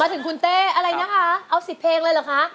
ถึงคุณเต้อะไรนะคะเอา๑๐เพลงเลยเหรอคะ